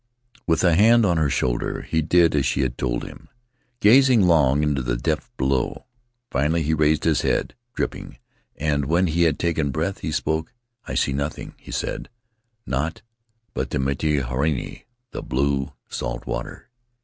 With a hand on her shoulder, he did as she had told him, gazing long into the depths below. Finally he raised his head, dripping, and when he had taken breath he spoke. ' I see nothing/ he said ;' naught but the miti hauriuri — the blue salt water.'